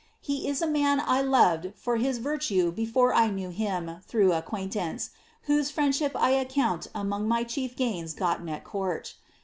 He is a man I loved for his virtue before I knew him through acquaintance, whose friendship I account among my chief gains gotten at court.